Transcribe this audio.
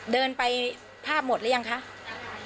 เดินไปภาพหมดหรือยังคะยังครับ